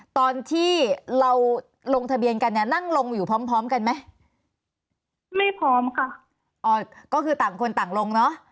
ตอนที่เราลงทะเบียนกันเนี่ยนั่งลงอยู่พร้อมพร้อมกันไหมไม่พร้อมค่ะอ๋อก็คือต่างคนต่างลงเนอะ